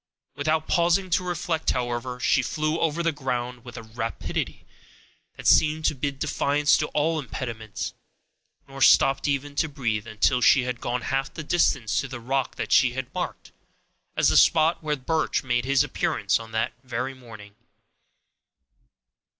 Without pausing to reflect, however, she flew over the ground with a rapidity that seemed to bid defiance to all impediments, nor stopped even to breathe, until she had gone half the distance to the rock that she had marked as the spot where Birch made his appearance on that very morning.